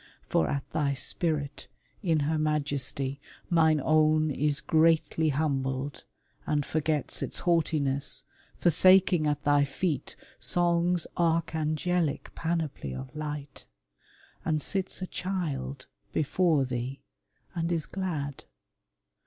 For at thy spirit in her majesty Mine own is greatly humbled, and forgets Its haughtiness, forsaking at thy feet Song's archangelic panoply of light, And sits a child before thee, and is glad.